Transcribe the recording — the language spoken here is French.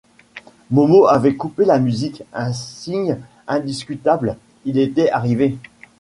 Momo avait coupé la musique, un signe indiscutable : il était arrivé.